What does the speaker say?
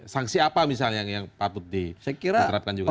sanksi apa misalnya yang patut diterapkan juga